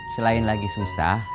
selain lagi susah